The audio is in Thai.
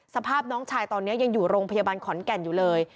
สภาพน้องชายตอนนี้ยังอยู่โรงพยาบาลขอนแก่นอยู่เลย